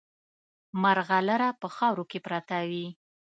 مرغلره په خاورو کې پرته وي.